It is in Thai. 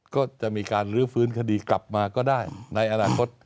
ก็จะมีการลื้อฟื้นคดีกลับมาก็ได้ในอนาคต